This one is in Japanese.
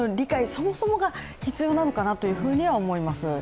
そもそもが必要なのかなと思います。